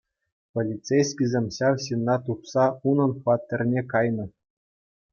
Полицейскисем ҫав ҫынна тупса унӑн хваттерне кайнӑ.